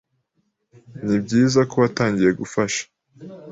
Nibyiza ko witangiye gufasha.